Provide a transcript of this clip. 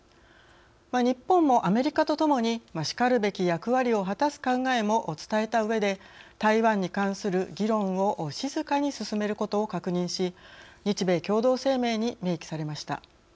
日本もアメリカとともにしかるべき役割を果たす考えも伝えたうえで台湾に関する議論を静かに進めることを確認し日米共同声明に明記されました。